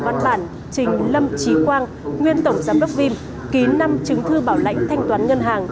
văn bản trình lâm trí quang nguyên tổng giám đốc vim ký năm chứng thư bảo lãnh thanh toán ngân hàng